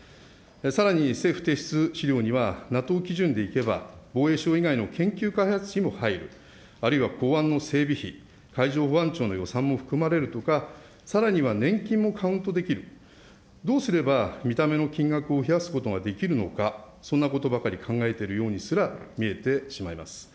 さらに政府提出資料には、ＮＡＴＯ基準でいけば、防衛省以外の研究開発費も入る、あるいは港湾の整備費、海上保安庁の予算も含まれるとか、さらには年金もカウントできる、どうすれば見た目の金額を増やすことができるのか、そんなことばかり考えているようにすら見えてしまいます。